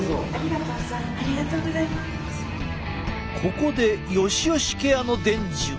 ここでよしよしケアの伝授。